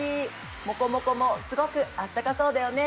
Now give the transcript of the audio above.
もこもこもすごく暖かそうだよね。